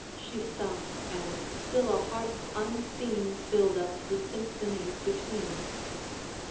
She sung, and still a harp unseen Filled up the symphony between.